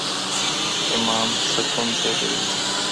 ایمان سکون زېږوي.